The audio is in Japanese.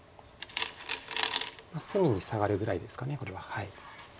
隅にサガるぐらいですかこれは。